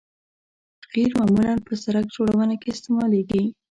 قیر معمولاً په سرک جوړونه کې استعمالیږي